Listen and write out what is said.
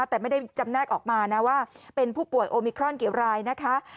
แต่ไม่ได้จำแนกออกมานะว่าเป็นผู้ป่วยโอมิครอนกี่รายนะคะ